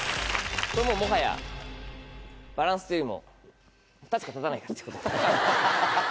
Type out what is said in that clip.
これもうもはやバランスというよりも立つか立たないか。